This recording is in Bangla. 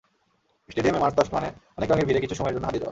স্টেডিয়ামে মার্চ পাস্ট মানে অনেক রঙের ভিড়ে কিছু সময়ের জন্য হারিয়ে যাওয়া।